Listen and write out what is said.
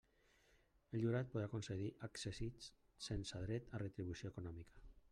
El jurat podrà concedir accèssits sense dret a retribució econòmica.